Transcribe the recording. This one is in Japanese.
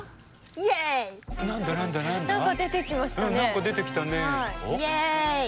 イエイ！